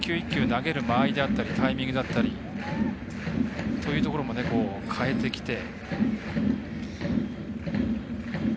投げる間合いであったりタイミングだったりというところも変えてきて。